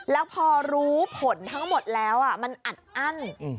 แล้วพอรู้ผลทั้งหมดแล้วมันอัดอั้น